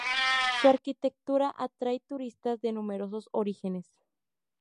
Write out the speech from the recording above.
Su arquitectura atrae turistas de numerosos orígenes.